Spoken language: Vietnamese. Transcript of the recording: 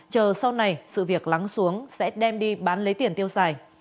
chờ sau này sự việc lắng xuống sẽ đem đi bán lấy tiền tiêu xài